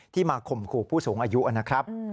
มาข่มขู่ผู้สูงอายุนะครับ